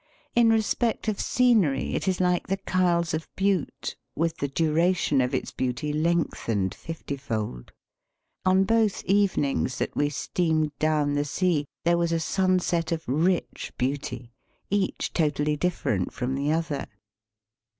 In respect of scenery it is like the Kyles of Bute, with the duration of its beauty lengthened fiftyfold. On both evenings that we steamed downthe Sea there was a sunset of rich beauty, each totally diflferent from the other.